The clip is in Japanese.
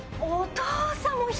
お父さん！